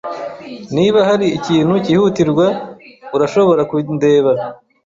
Niba hari ikintu cyihutirwa, urashobora kundeba.